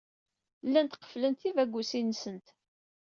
Llant qefflent tibagusin-nsent.